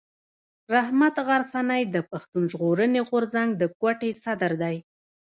رحمت غرڅنی د پښتون ژغورني غورځنګ د کوټي صدر دی.